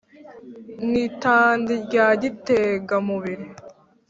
n'i tandi rya gitegamubiri.